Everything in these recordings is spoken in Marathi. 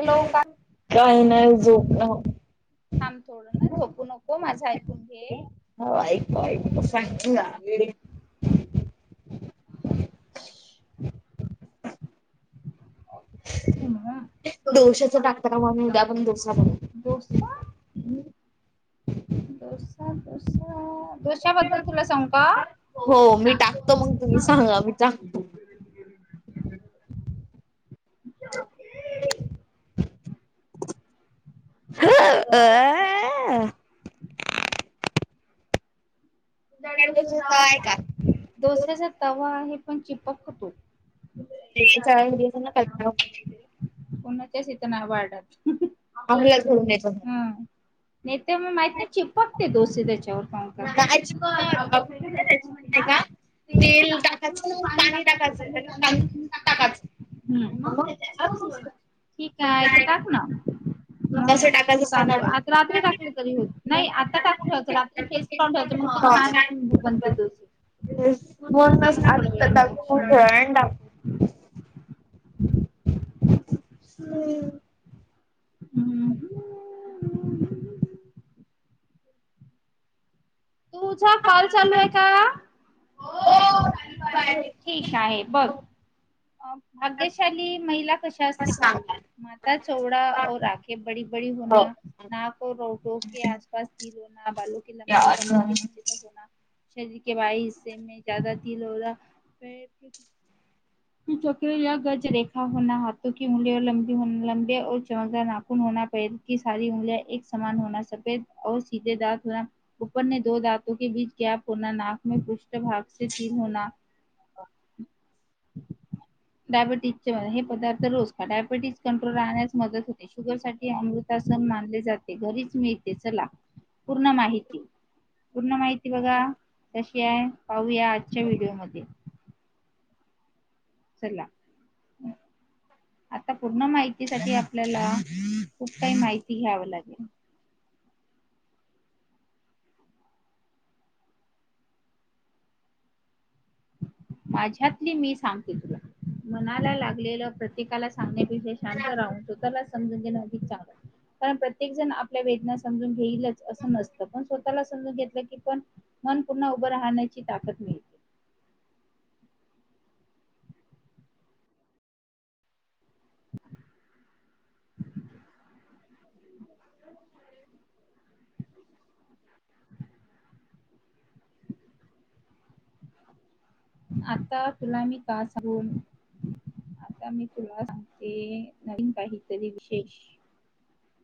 हॅलो का काही नाही झोप ांबथोड ना झोपू नको माझं ऐकून घे होपप [inaudible] दडोश्याच टाकता ममही उद्या पण दोसा बन जोस दोसा दोसा दोशबद्दल तुला सांग कात तुम्हीांगा अमिता ज आ त सय का दडोस्याचा तवा्हा आहे पण चिपक होतो ते ना कल्पना कर पुनच्या शेतना वाारडात आम्हाला घडून्याय नाही तर मग माहित नाही चिपकते दोसे त्याच्यावर फं कर आपण त्याच्या नाही का तेल टाकायचं ना पाणी टाकायचं टाकायचं ह मग पोहच ठीक आहेथ टाक ना कसं टाकायचं सांगा मला. आता रात्री टाकलं तरी हो नाही आता टाकून ठेवायचं रात्री पेस्ट करून ठेयच ते थांब आाक थोड्या वेळाने आणिाक हम्म हम्म तुझा कॉल चालू आहे का हो चाल आहे ठीक आहे बघ अ भाग्यशाली महिला कशा असते प सांगा. म चौडा औ राखे बडी बडी हो. होणार नाक रोटो के आसपास तीर होना बलो के लंबाई कमर के निीचे तक होना शरीर के बाय हिस्से म ज तल हो प चक या गज रेखा होना हातथो क उंगली लब लंबे औ चमद नाखुून होना पै की सारी उंगल एक समान होना सफेद सिधे दत हो परने दो दातो के बीच गॅप होना नाक मे पृष भाग तीर होना [inaudible] [inaudible] डायबिटीसचे हे पदार्थ रोज ख डायबिटीस कंट्रोल राहण्यास मदत होते शुगर सा अमृ सण मानले जाते घरीच मिळते चला पूर्ण माहिती पूर्ण माहिती बघा तशी आहे पाहूया आजच्या व्हिडिओमध्ये चला आता पूर्ण माहिती साठी आपल्याला खूप काही माहिती घ्याव लागेल. माझ्यातली मी सांगते तुला मनाला लागलेलं प्रतकाला सांगण्या विषय शांत राहून स्वतःलाच समजून घे अधिक चांगलं कारण प्रत्येक जण आपल्या वेदना समजून घेईलच असं नसतं पण स्वतःला समजून घेतलं की पण मन पूर्ण उभं राहण्याची ताकद मिळ ह [inaudible] हम [inaudible] आता तुला मी का सांगून आता मी तुला सांगते नवीन काहीतरी विशेष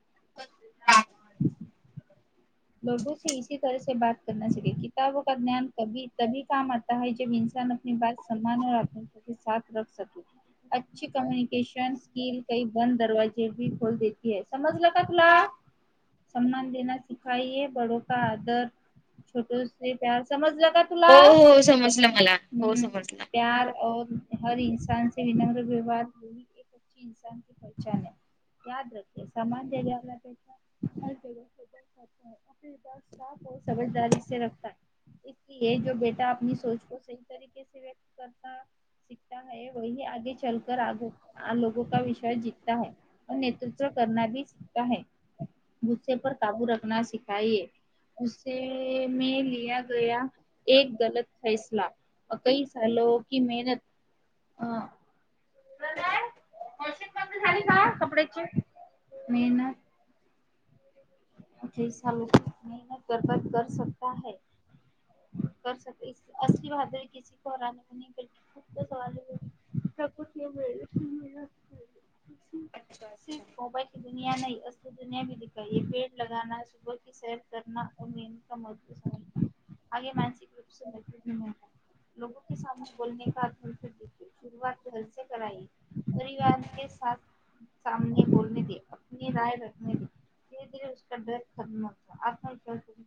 [inaudible] लोो इी तर बाात करना स किबो का ज्ञान क त काम आता है जब इनसन आपली बाात समान आत्म सा रख सके अच्छी कम्युनिकेशन स्किल काही बंद दरवाजे भी खोल देती ह समजलं का तुला सन्मान देण्यास खाये बडो का आदर छोटो प्याार समजलाका तुला हो हो समजलं मला हो समजलं. प्यार और हर इन्ानचे विनग्र व्यवहार हो इी पचण आहे याद रखे समानला हे आपली बा साफ समजदारी रखता इि जो बेटा आपली सोच को सही तरीके व्यक्त करता सिखता है वही आगे चल कर आगो लोगो का विषय जीतता ह नेतृत्व कर भ सिखता है गुस्से पर काबू रखना सिखाईे. उुसे मे लिया ग एक गलत फैसला कही सलो की मेहनत अ प्रणय [inaudible] झाली का कपड्याची मेहनत मेहनत बरबाद कर कर सकता है. करक असली बादळी किसी को हरा खूप सवा [unintelligible] प्रकृती मिळ [unintelligible] सिर्फ मोबाईली दुनया नाही असली दुनया भी दिखाई एक पेड लग सुब सेर कर मेंद मजबू स आगे मानसिक रूप मू लोो सामने बोल आधनील शरुवात घरसे करई परिवार के सा समने बोलणे ती आप राय रखणे ती धरे धे ड्रेस खम होत आप इ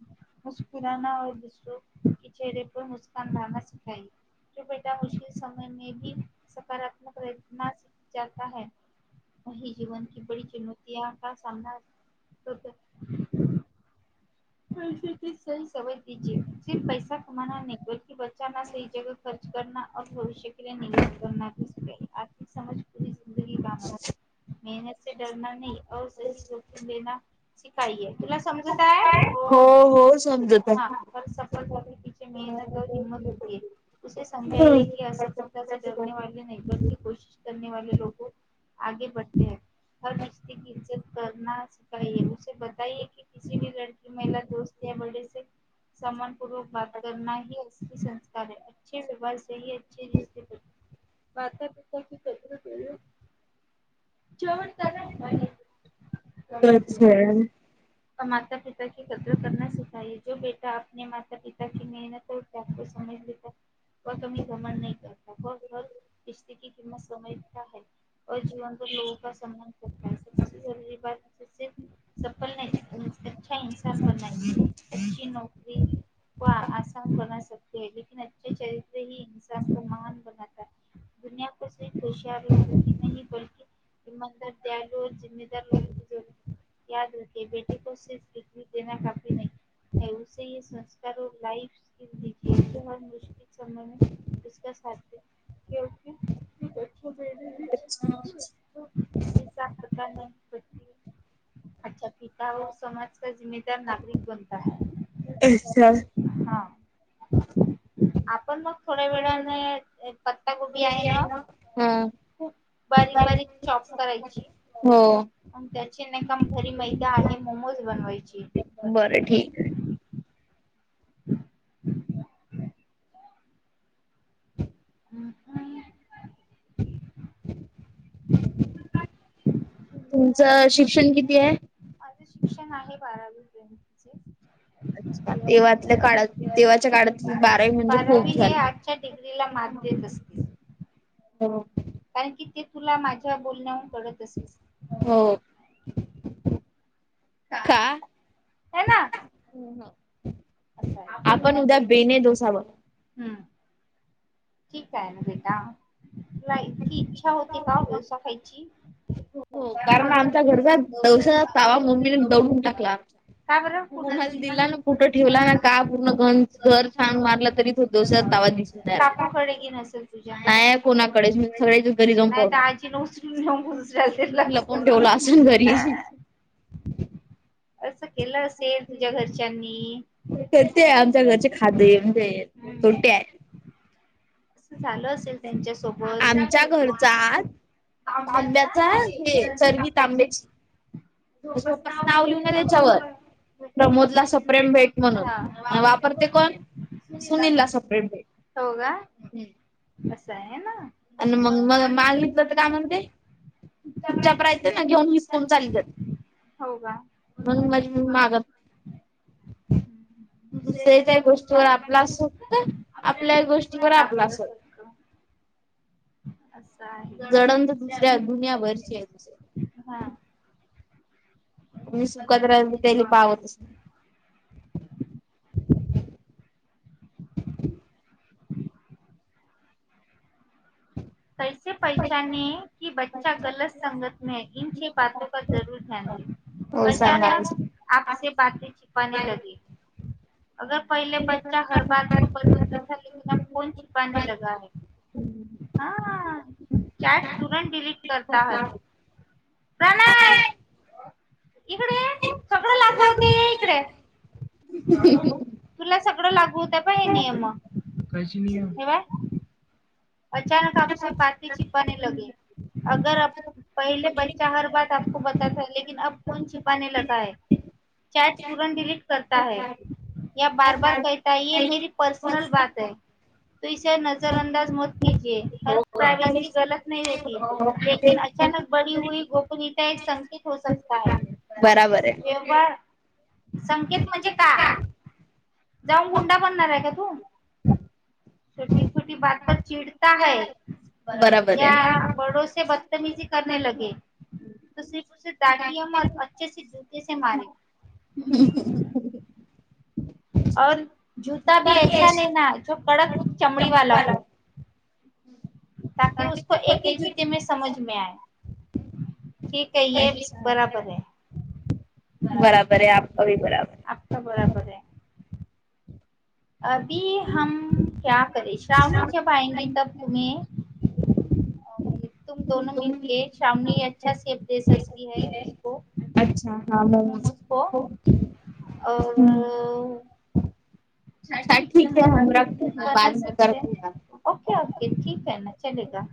मुस्कराऔ दुसर चेहरे पर मुस्कनना सिखाये. जो बेटा मुश्कल समय मे भी सकारातमक रना सखता है व जीवन क बडी चुनौतया का सामना कर [unintelligible] ष स समज दीजे सिर्फ पैसा कमा नाही बलि बचा स जग खर्च कर भविष्य के निवेश कर घ सक आर्थिक समज हम् [unintelligible] मेहनतचे डरना नाही सही जोखिम देना काय आहे तुला समजताय हो हो समजत हा आहे. तर सपल तिची मेहनत तर हिंमत होती. उे समजाये की असफलताचे डरने वे नाही बलकी कोशिश कर वे लोकु आगे बढते है हर रिश्तेची इज्जत करना सखाये. बताये की की लडकी महिला दोस्त या बर्डे समानपूर्वक बाात करना ही अ संस्कार ह अच्छे व्यवहार अ रिश्ते मात पिता की कतू बोलो [unintelligible] [inaudible] जवरत म [unintelligible] ह. माता पिता की कद्र कर सखाय जो बेटा आपने माता पिता क मेहनत त्यामजात क घमण नाही करत. बिशती क किमत समयै जीवनवर लोो का स्मान करता स जरुरी बाात. पण नाही. अच्छा इन्साान बनाय अच्ी नोकरी व आसान बनकते. क अचछे चरित्र ह इनसान को महान बनता. दुनया को सिर्फ होशार लोगो क नाही बलकीि मंदिर द्यालु. जमेदार लो ज याद रे बेटी को सिर्फ डग्री देना काफी नाही. है उे संस्कार लाइफ स्किजे जो ह मु [unintelligible] यका साथ दे अच्छा. कक [unintelligible] प्रकार नाही. अच्छा पिता औ समाज का जिमेदार नागरिक बनता है. अच्छा हा आपण मग थोड्या वेळाने पत्ता गोबी आहे ना. हा खूप बारीक बारीक चॉप करायची हो त्या. का घरी मैदा आहे मोमोज बनवायची. बरं ठीक आहे. [unintelligible] ह् ह. तुमच शिक्षण किती आहे. माझ शिक्षण आहे बारावी पयंतीचे. अच्छा तेव्हाातल्या काळात तेव्हाच्या काळात बारावी म्हणजे बारावी खूप हे झालं. आजच्या डिग्रीला मात देत अस. ह. कारण की ते तुला माझ्या बोलण्याहून कडत असे. हो. का? असं आपण उद्या आहे. बेने ोसावर हम्म ठीक आहे ना बेटा. नाही त इच्छा होती का डोसा खायची. हो कारण आमच्या आमचा घरचा दौसा डोसा पावा तावा मम्मीने दौडून टाकला आमचा का बरं? कुणाला कोणाला दिला ना कुठं ठे? दिला का पूर्ण घ घर छान ना मारलं तरी का तवा दिसून जाय. काकूकडे घे नसेल तुझ्या नाही नाहीय कोणाकडेच म सगळे घरी जाऊन पाहणार. न उसरून ठेवला असेल नेऊल घरी. [unintelligible] असं केलं असेल तुझ्या घरच्यांनी खते आहे आमच्या घरचे खादे म्हणजे हम्म छोटे आहे. झालं असेल त्यांच्या सोबत का? तंब्याचा हे चरवी त तांब्याची आंब्याची असं झोपासनं बाप्पच आवरून नाव लिऊ ना त्याच्यावर मुकुंदला प्रमोदला सप्रेम सुपरटेंडेंट भेट म्हणून आपण ते वापरते कोण? सुनीलला सनला सप्रेट बेट सुपरटेंडेंट. हो का? असं आहे ना. आणि मग मग मागितलं तर काय म्हणते. तुमच्याकडे तुठच्या आहेत ना प्रयत्न दोन घेऊन दिवसांनी विस्कून चालेल. चाली जात. हो का. म्हणून मग माझ म्हणते मागत. हम्म. दुसऱ्याच्या गोष्टीवर आपला असोत आपल्या गोष्टीवर आपला असोत. असं आहे. जडण तर दुसऱ्या अग्नी दुनिया हव्याची वरची आहे दुसर्या हा. म्हणून मी सुखात राहून राहि त्याची त्याली पावत पाहतच नाही. कैसे पैशने की बच्चाा गलत संगत मे ह इन छे बाातो का जरूर ध्यान दे. हो सांगा अचानक आपसे बाात छिपाने लगे. अगर पहिले बच्चा हर बाात को बतता क अ कोन छिपाने लगा है. हा कॅट तुरंत डलीट करता हय. इकडे सगळं लागू होते इकडे. तुला सगळं लागू होतं प हे नियम क नियम अचानक आपचे पाात छिपाने लगे अगर पहिले बच्चाा हर बाार. को पताता लकन अब कोण छिपाने लगै. चॅट तुरंत डिलीट करता आहेै. या बार बार कताय ये मेरी पर्सनल बाात है तू इे नजर अंदाज मत ज प्रावेसी गलत नाही होतीकन अचानक बडीी हई गोपनीयता एक संकेत हो सकता ह. बराबर आहे. व्यवार संकेत म्हणजे का जाऊन गुंडा बनणार आहे का तू छोटी छोटी बाात पर चिडता है बबर बराबर आहे या बडोसे ब तमीझी कर लगे. त सिर्फ उे दाटया म अच्छे जुतेसे मारे औ जता भी ऐसा लना जो कडक चमडी वाला हो. ताकीि उको एक ह जुते मे समज म आय ठीक आहे ये बराबर है. बराबर है आपका भी बराबर आहे. अभी हम क्या करे श्रावणी जब आयंगे तब तुम्ही? तुम दोनो मिल के ावणी अच्छा सेप दे सकती है. है अच्छा हाँ मोमोज पऔर हम्म, अा ठीक ह हम रखते है बा बना म सकते करते हैं या. ओके ओके ठीक आहे ना चले का?